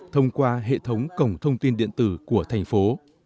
thông qua hệ thống cổng thông tin điện tử của thành phố